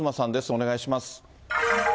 お願いします。